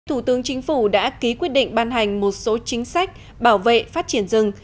thủ tướng chính phủ đã ký quyết định ban hành một số chính sách bảo vệ phát triển rừng